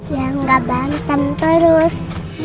ya nggak bantem terus